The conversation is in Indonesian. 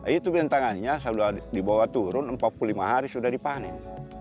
itu bintangannya sudah dibawa turun empat puluh lima hari sudah dipanen